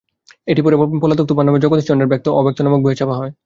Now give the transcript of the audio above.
এটি পরে পলাতক তুফান নামে জগদীশচন্দ্রের অব্যক্ত নামক বইয়ে ছাপা হয়।